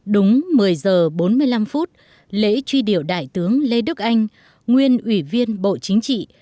đúng một mươi giờ bốn mươi năm phút lễ truy điệu đại tướng lê đức anh nguyên ủy viên bộ chính trị